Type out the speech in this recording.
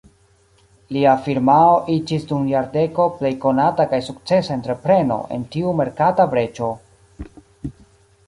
Lia firmao iĝis dum jardeko plej konata kaj sukcesa entrepreno en tiu merkata breĉo.